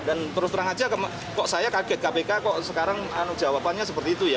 dan terus terang aja kok saya kaget kpk kok sekarang jawabannya seperti itu ya